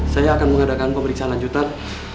saya akan mengadakan pemeriksaan lanjutan